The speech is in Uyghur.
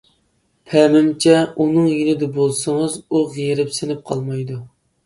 پەمىمچە، ئۇنىڭ يېنىدا بولسىڭىز ئۇ غېرىبسىنىپ قالمايدۇ.